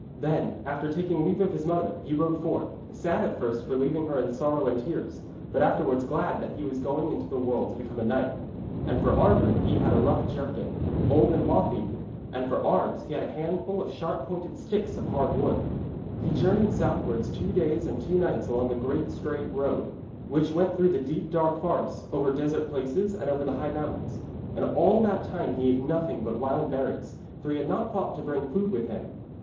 Then, after taking leave of his mother, he rode forth, sad at first for leaving her in sorrow and tears, but afterwards glad that now he was going into the world to become a knight. And for armour he had a rough jerkin, old and moth eaten, and for arms he had a handful of sharp pointed sticks of hard wood. He journeyed southwards two days and two nights along the great straight road, which went through the deep dark forests, over desert places and over the high mountains. And all that time he ate nothing but wild berries, for he had not thought to bring food with him.